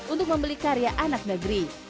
untuk membeli karya anak negeri